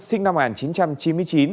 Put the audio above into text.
sinh năm một nghìn chín trăm chín mươi chín